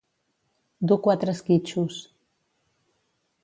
Dur quatre esquitxos.